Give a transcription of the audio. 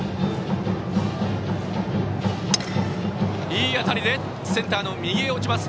いい当たりでセンターの右へ落ちます。